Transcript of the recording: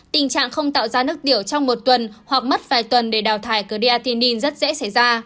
tình trạng không tạo ra nước tiểu trong một tuần hoặc mất vài tuần để đào thải cờ deathin rất dễ xảy ra